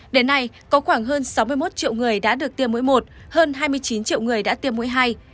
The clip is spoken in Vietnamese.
đến nay có khoảng hơn sáu mươi một triệu người đã được tiêm mỗi một hơn hai mươi chín triệu người đã tiêm mũi hai